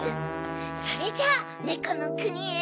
それじゃあねこのくにへ。